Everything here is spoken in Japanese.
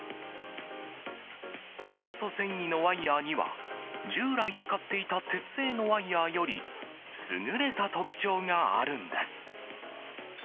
炭素繊維のワイヤには従来使っていた鉄製のワイヤより優れた特徴があるんです。